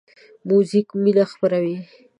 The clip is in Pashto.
موزیک مینه خپروي.